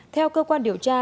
theo cơ quan điều tra